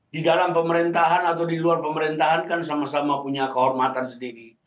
di dalam pemerintahan atau di luar pemerintahan kan sama sama punya kehormatan sendiri